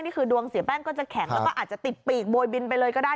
นี่คือดวงเสียแป้งก็จะแข็งแล้วก็อาจจะติดปีกโบยบินไปเลยก็ได้